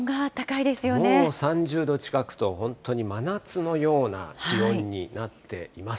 もう３０度近くと、本当に真夏のような気温になっています。